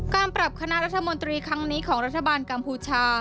การปรับคณะรัฐมนตรีครั้งนี้ของรัฐบาลกัมพูชา